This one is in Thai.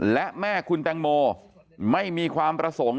และแม่คุณแตงโมไม่มีความประสงค์